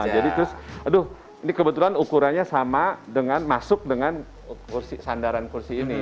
jadi terus aduh ini kebetulan ukurannya sama dengan masuk dengan sandaran kursi ini